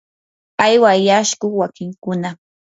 ¿aywayashku wakinkuna?